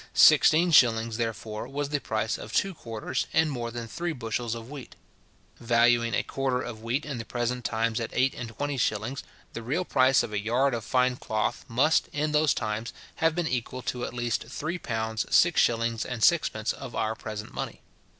Sixteen shillings, therefore, was the price of two quarters and more than three bushels of wheat. Valuing a quarter of wheat in the present times at eight and twenty shillings, the real price of a yard of fine cloth must, in those times, have been equal to at least three pounds six shillings and sixpence of our present money.